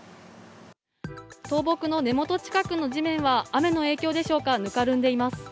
倒木の根元近くの地面は雨の影響でしょうか、ぬかるんでいます。